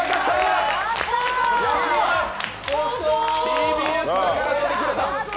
ＴＢＳだから来てくれた。